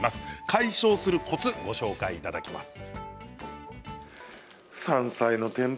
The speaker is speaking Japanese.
解消するコツをご紹介いただきます。